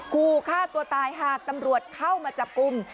คู่ฆ่าตัวตายหากตำรวจเข้ามาจับกลุ่ม